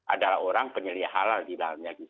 adalah orang penyelia halal di dalamnya